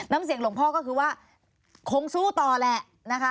น้ำเสียงหลวงพ่อก็คือว่าคงสู้ต่อแหละนะคะ